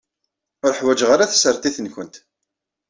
Ur ḥwaǧeɣ ara tasertit-nkent.